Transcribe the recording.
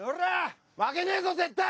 負けねえぞ絶対！